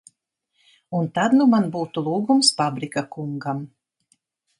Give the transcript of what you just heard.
Un tad nu man būtu lūgums Pabrika kungam.